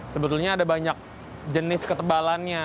sebetulnya ada banyak jenis ketebalannya